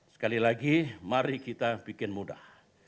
sekali lagi mari kita bikin mudah